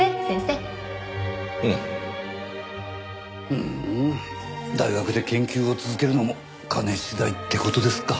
ふーん大学で研究を続けるのも金次第って事ですか。